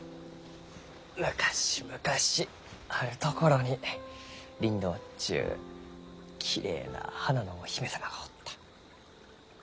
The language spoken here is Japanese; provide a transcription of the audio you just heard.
昔々あるところにリンドウっちゅうきれいな花のお姫様がおった。